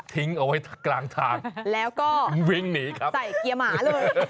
ทิ้งเอาไว้กลางทางวิ่งหนีครับแล้วก็ใส่เกียร์หมาเลย